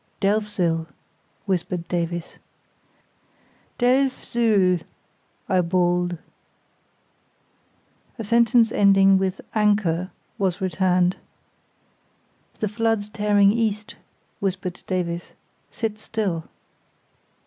"Delfzyl," whispered Davies. "Delf zyl," I bawled. A sentence ending with "anchor" was returned. "The flood's tearing east," whispered Davies; "sit still."